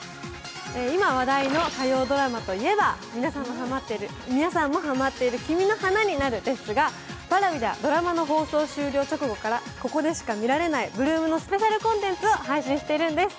今話題の火曜ドラマといえば皆さんもハマっている「君の花になる」ですがＰａｒａｖｉではドラマの放送直後からここでしか見られない８ＬＯＯＭのスペシャルコンテンツを配信してるんです。